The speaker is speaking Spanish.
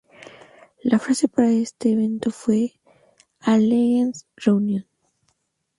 La frase para este evento fue ""A Legends' Reunion".